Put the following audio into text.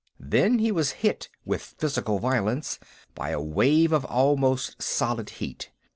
Then he was hit, with physical violence, by a wave of almost solid heat.